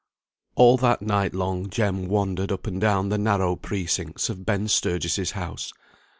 All that night long Jem wandered up and down the narrow precincts of Ben Sturgis's house.